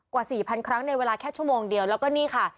กว่าสี่พันครั้งในเวลาแค่ชั่วโมงเดียวแล้วก็นี่ค่ะ